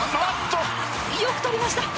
よく取りました。